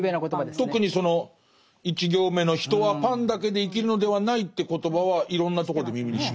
特にその１行目の「人はパンだけで生きるのではない」って言葉はいろんなとこで耳にします。